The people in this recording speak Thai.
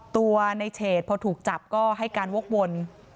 ตัวในเฉดพอถูกจับก็ให้การวกวน